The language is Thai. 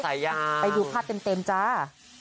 ใส่ยางไปดูผ้าเต็มจ้า